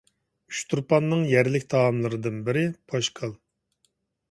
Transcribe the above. ئۇچتۇرپاننىڭ يەرلىك تائاملىرىدىن بىرى پوشكال.